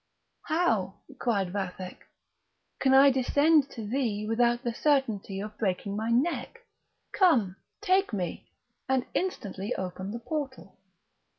"How," cried Vathek, "can I descend to thee without the certainty of breaking my neck? come, take me, and instantly open the portal."